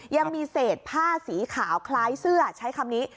ยังมีเศษผ้าสีขาวคล้ายเสื้อใช้คำนี้